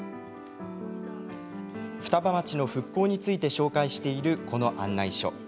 双葉町の復興について紹介している、この案内所。